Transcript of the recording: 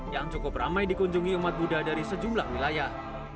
yang cukup ramai dikunjungi umat buddha dari sejumlah wilayah